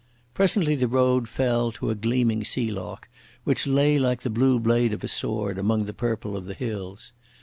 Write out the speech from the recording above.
Presently the road fell to a gleaming sea loch which lay like the blue blade of a sword among the purple of the hills.